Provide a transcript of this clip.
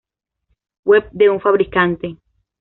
Web de un fabricante